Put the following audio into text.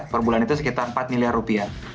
per bulan itu sekitar empat miliar rupiah